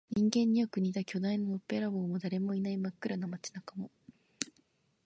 人間によく似た巨大なのっぺらぼうも、誰もいない真っ暗な街中も、